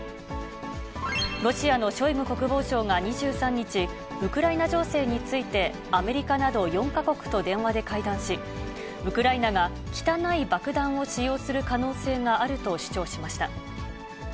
ロシアのショイグ国防相が２３日、ウクライナ情勢について、アメリカなど４か国と電話で会談し、ウクライナが汚い爆弾を使用する可能性があると主張しました。